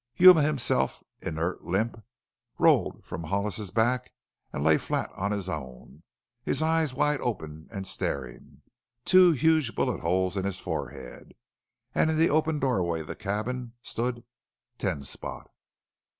Yuma himself inert, limp, rolled from Hollis's back and lay flat on his own, his eyes wide open and staring, two huge bullet holes in his forehead. And in the open doorway of the cabin stood Ten Spot.